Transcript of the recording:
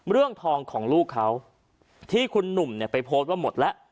เรื่องทองของลูกเขาที่คุณหนุ่มไปโพสต์ว่าหมดแล้ว